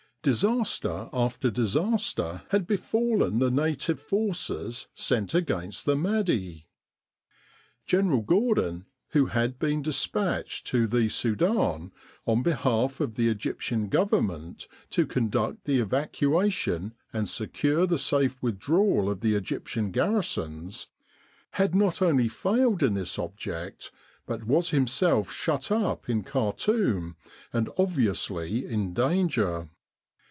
Disaster after disaster had befalleh the native forces sent against the Mahdi. General Gordon, who had been dispatched to the Sudan on behalf of the Egyptian Government to conduct the With the R.A.M.C. in Egypt evacuation and secure the safe withdrawal of the Egyptian garrisons, had not only failed in this object, but was himself shut up in Khartoum and obviously in danger.